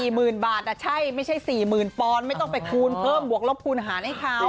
๔หมื่นบาทไม่ใช่ปลอน๔หมื่นไม่ต้องไปคูณเพิ่มรบคูณหาให้เขา